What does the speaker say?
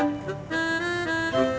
assalamualaikum warahmatullahi wabarakatuh